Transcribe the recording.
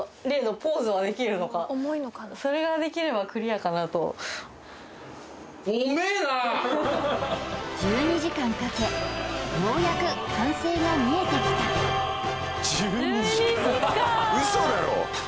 それができればクリアかなと１２時間かけようやく完成が見えてきたウソだろ！？